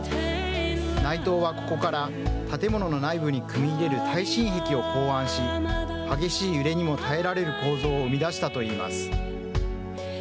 内藤はここから、建物の内部に組み入れる耐震壁を考案し、激しい揺れにも耐えられる構造を生み出したといいます。